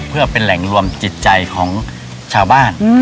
เพื่อเป็นแหล่งรวมจิตใจของชาวบ้าน